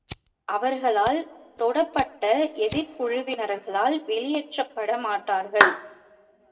அவர்களால் தொடப்பட்ட எதிர்க் குழுவினர்கள் வெளியேற்றப்பட மாட்டார்கள்.